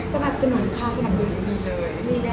สนับสนุนค่ะสนับสนุนดีเลย